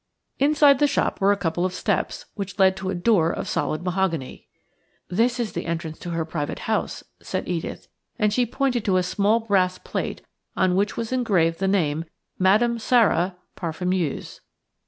Inside the shop were a couple of steps, which led to a door of solid mahogany. "This is the entrance to her private house," said Edith, and she pointed to a small brass plate, on which was engraved the name – "Madame Sara, Parfumeuse".